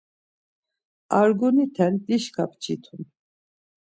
Arguniten dişka pçitum.